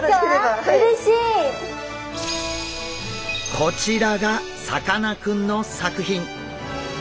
こちらがさかなクンの作品。